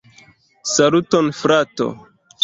Saluton frato!